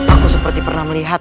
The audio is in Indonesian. aku seperti pernah melihat